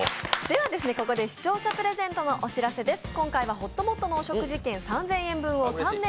ではここで視聴者プレゼントのお知らせです。